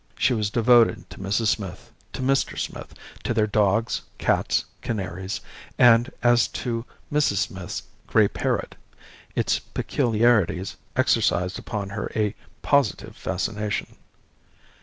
She was devoted to Mrs. Smith, to Mr. Smith, to their dogs, cats, canaries; and as to Mrs. Smith's grey parrot, its peculiarities exercised upon her a positive fascination.